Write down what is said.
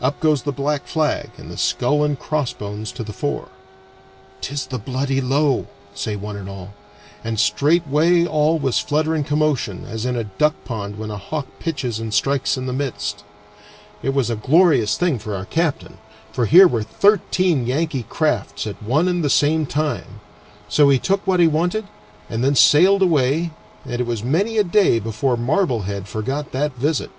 Up goes the black flag, and the skull and crossbones to the fore. "'Tis the bloody Low," say one and all; and straightway all was flutter and commotion, as in a duck pond when a hawk pitches and strikes in the midst. It was a glorious thing for our captain, for here were thirteen Yankee crafts at one and the same time. So he took what he wanted, and then sailed away, and it was many a day before Marblehead forgot that visit.